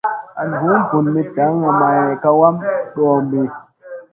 An vum vun mi daŋga may ka wam ɗoombi.